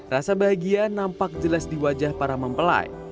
rasa bahagia nampak jelas di wajah para mempelai